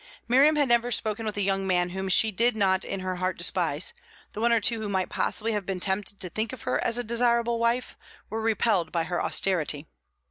Miriam had never spoken with a young man whom she did not in her heart despise; the one or two who might possibly have been tempted to think of her as a desirable wife were repelled by her austerity.